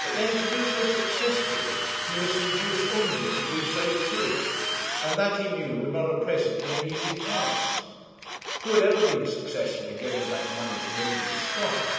But then to do so successfully, he must induce Undy to do so too; and that he knew would not at present be an easy task. Who had ever been successful in getting back money from Undy Scott?